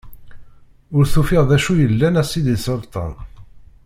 Ur tufiḍ d acu yellan a sidi Selṭan.